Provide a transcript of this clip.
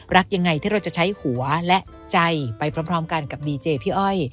รักยังไงที่เราจะใช้หัวและใจไปพร้อมกันกับดีเจพี่อ้อย